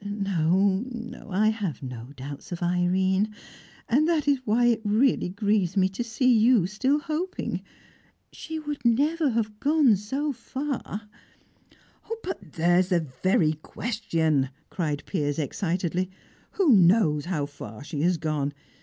No, no, I have no doubts of Irene. And that is why it really grieves me to see you still hoping. She would never have gone so far " "But there's the very question!" cried Piers excitedly. "Who knows how far she has gone?